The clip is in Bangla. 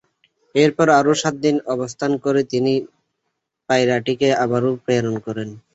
এরপর আরো সাতদিন অবস্থান করে তিনি পায়রাটিকে আবারো প্রেরণ করেন।